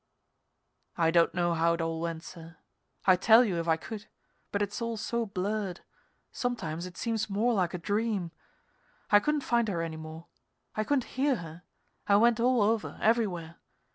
I don't know how it all went, sir. I'd tell you if I could, but it's all so blurred sometimes it seems more like a dream. I couldn't find her any more; I couldn't hear her; I went all over, everywhere.